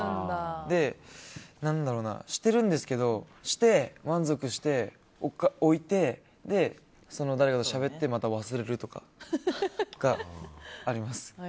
しているんですが、して満足して置いて、誰かとしゃべってまた忘れるとかあります。